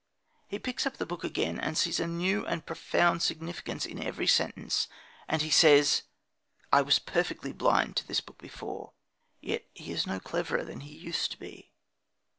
He picks up the book again, and sees a new and profound significance in every sentence, and he says: "I was perfectly blind to this book before." Yet he is no cleverer than he used to be.